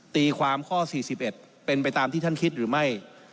ตีความข้อ๔๑เป็นไปตามที่ท่านคิดหรือไม่